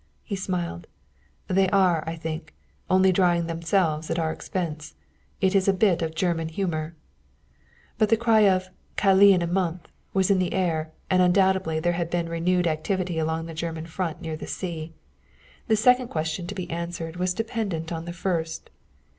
He smiled. "They are, I think, only drying themselves at our expense. It is a bit of German humor." But the cry of "Calais in a month!" was in the air, and undoubtedly there had been renewed activity along the German Front near the sea. The second question to be answered was dependent on the first.